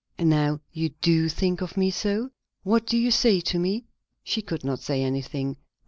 "And now you do think of me so? What do you say to me?" She could not say anything.